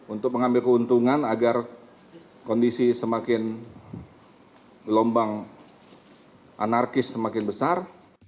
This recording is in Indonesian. untuk mengambil keuntungan agar kondisi semakin gelombang anarkis semakin besar